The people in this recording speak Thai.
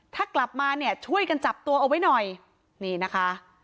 ถ้ากลับมาเนี่ยช่วยกันจับตัวเอาไว้หน่อยนี่นะคะ